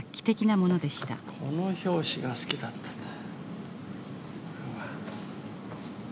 この表紙が好きだったなあ。